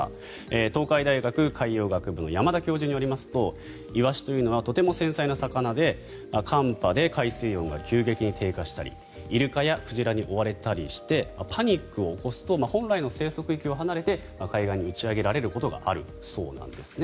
東海大学海洋学部の山田教授によりますとイワシというのはとても繊細な魚で寒波で海水温が急激に低下したりイルカや鯨に追われたりしてパニックを起こすと本来の生息域を離れて海岸に打ち上げられることがあるそうなんですね。